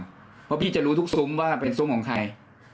เพราะพี่จะรู้ทุกซุ้มว่าเป็นซุ้มของใคร